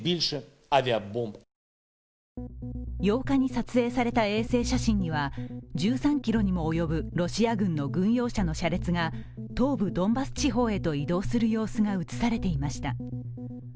８日に撮影された衛星写真には１３ｋｍにも及ぶロシア軍の軍用車の車列が東部ドンバス地方へと移動する様子が映されていました。